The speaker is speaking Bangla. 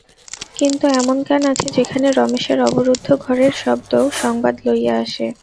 কিন্তু এমন কান আছে যেখানে রমেশের অবরুদ্ধ ঘরের শব্দও সংবাদ লইয়া আসে।